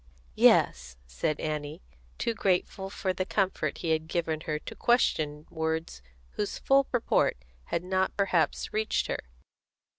"Yes," said Annie, too grateful for the comfort he had given her to question words whose full purport had not perhaps reached her.